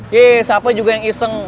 yeh siapa juga yang iseng